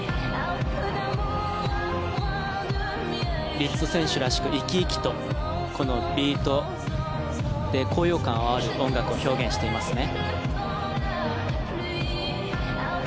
リッツォ選手らしく生き生きとこのビートで高揚感をあおる音楽を表現していますね。